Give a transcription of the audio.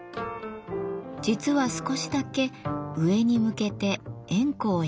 実は少しだけ上に向けて円弧を描いています。